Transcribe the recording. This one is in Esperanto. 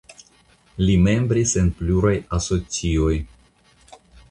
Li membris en pluraj asocioj.